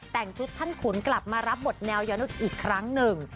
แต่งชุดท่านขุนกลับมารับบทแนวยาวนุษย์อีกครั้งหนึ่ง